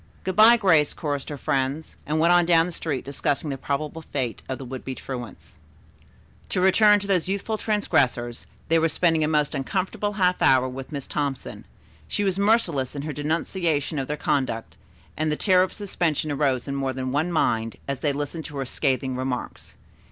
"Good bye, Grace," chorused her friends, and went on down the street discussing the probable fate of the would be truants. To return to those youthful transgressors. They were spending a most uncomfortable half hour with Miss Thompson. She was merciless in her denunciation of their conduct, and the terror of suspension arose in more than one mind, as they listened to her scathing remarks.